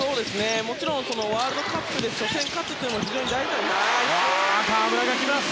もちろんワールドカップで初戦、勝つというのは非常に大事なんですが。